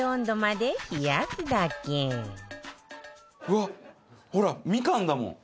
うわほらみかんだもう！